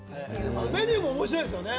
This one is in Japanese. メニューも面白いんだよね。